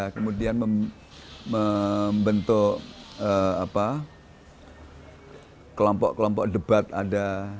kemudian membentuk kelompok kelompok debat ada